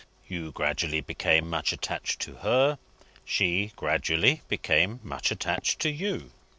You gradually became much attached to her; she gradually became much attached to you.